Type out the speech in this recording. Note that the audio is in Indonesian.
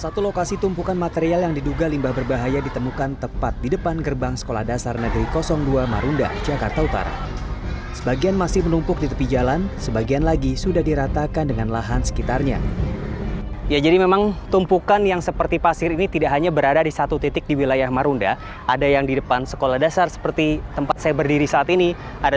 tumpukan material yang ditemukan di sekitar rusunawa marunda jakarta utara